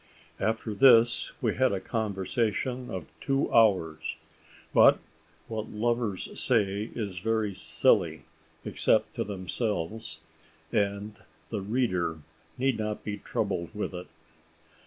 After this, we had a conversation of two hours; but what lovers say is very silly, except to themselves, and the reader need not be troubled with it.